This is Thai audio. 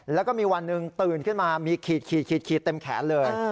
แล้วก็มีวันหนึ่งตื่นขึ้นมามีขีดเต็มแขนเลย